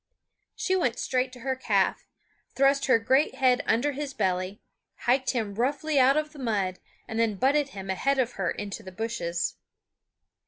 She went straight to her calf, thrust her great head under his belly, hiked him roughly out of the mud, and then butted him ahead of her into the bushes.